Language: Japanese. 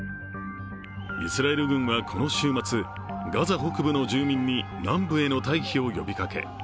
イスラエル軍はこの週末、ガザ北部の住民に南部への退避を呼びかけ。